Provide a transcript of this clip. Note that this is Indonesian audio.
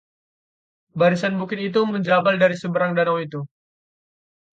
barisan bukit itu menjabal dari seberang danau itu